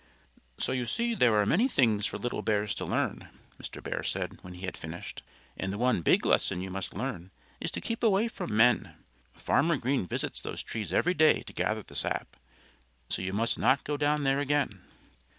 "So you see there are many things for little bears to learn," Mr. Bear said, when he had finished. "And the one big lesson you must learn is to keep away from men. Farmer Green visits those trees every day to gather the sap. So you must not go down there again."